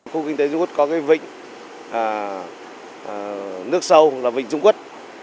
khu kinh tế dung quốc có cái vĩnh nước sâu là vĩnh dung quốc